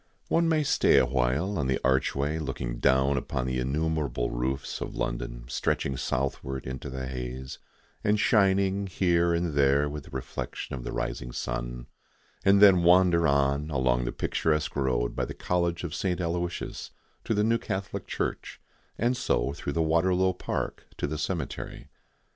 One may stay awhile on the Archway looking down upon the innumerable roofs of London stretching southward into the haze, and shining here and there with the reflection of the rising sun, and then wander on along the picturesque road by the college of Saint Aloysius to the new Catholic church, and so through the Waterlow Park to the cemetery.